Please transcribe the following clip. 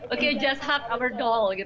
okay just hug our doll gitu ya